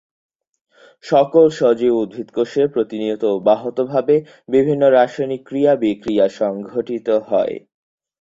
তিনি জেরুজালেমের হিব্রু বিশ্ববিদ্যালয়ে আন্তর্জাতিক সম্পর্ক ও রাষ্ট্রবিজ্ঞান নিয়ে পড়াশোনা করেন, তবে পড়াশোনা শেষ করতে পারেননি।